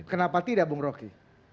kenapa tidak bung roky